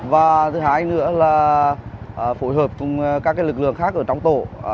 và thứ hai nữa là phối hợp cùng các lực lượng khác ở trong tổ